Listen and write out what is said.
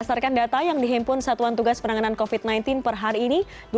berdasarkan data yang dihimpun satuan tugas penanganan covid sembilan belas per hari ini